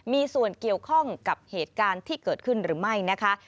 มีส่วนเกี่ยวข้องกับเหตุการณ์ที่เกิดขึ้นหรือไม่นะคะ